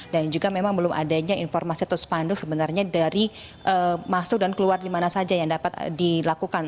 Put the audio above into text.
dan juga memang belum adanya informasi terus pandu sebenarnya dari masuk dan keluar di mana saja yang dapat dilakukan